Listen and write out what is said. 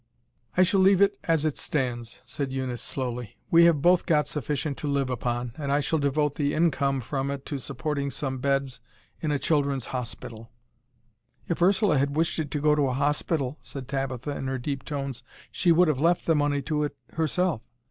"I shall leave it as it stands," said Eunice slowly. "We have both got sufficient to live upon, and I shall devote the income from it to supporting some beds in a children's hospital." "If Ursula had wished it to go to a hospital," said Tabitha in her deep tones, "she would have left the money to it herself.